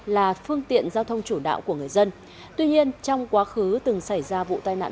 là phương tiện giao thông chủ đạo của người dân tuy nhiên trong quá khứ từng xảy ra vụ tai nạn